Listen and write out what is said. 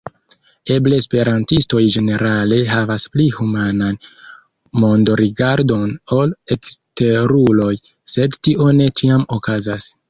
Eble esperantistoj ĝenerale havas pli humanan mondorigardon ol eksteruloj, sed tio ne ĉiam okazas.